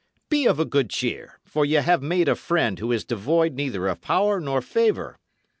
Be of a good cheer; for ye have made a friend who is devoid neither of power nor favour.